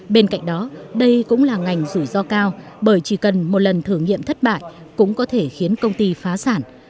bên cạnh đó đây cũng là ngành rủi ro cao bởi chỉ cần một lần thử nghiệm thất bại cũng có thể khiến công ty phá sản